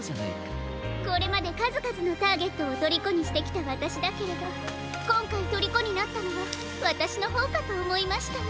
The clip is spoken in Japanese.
これまでかずかずのターゲットをとりこにしてきたわたしだけれどこんかいとりこになったのはわたしのほうかとおもいましたの。